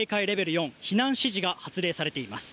４避難指示が発令されています。